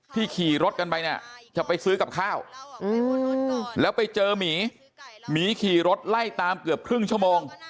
ขี่รถกันไปเนี่ยจะไปซื้อกับข้าวแล้วไปเจอหมีหมีขี่รถไล่ตามเกือบครึ่งชั่วโมง